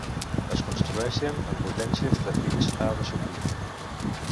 Es construeixen amb potències de fins a de sortida.